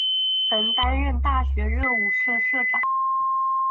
曾担任大学热舞社社长。